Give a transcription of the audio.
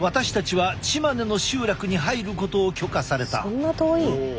そんな遠い？